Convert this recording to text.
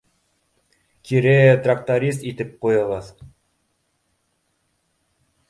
— Кире тракторист итеп ҡуйығыҙ.